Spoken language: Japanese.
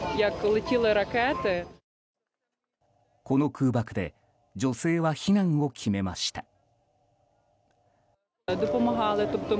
この空爆で女性は避難を決めました。